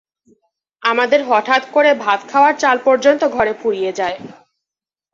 আমাদের হঠাত করে ভাত খাওয়ার চাল পর্যন্ত ঘরে ফুরিয়ে যায়।